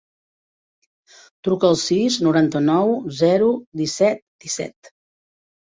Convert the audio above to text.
Truca al sis, noranta-nou, zero, disset, disset.